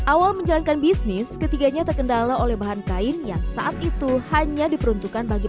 awal menjalankan bisnis ketiganya terkendala oleh bahan kain yang saat itu hanya diperuntukkan bagi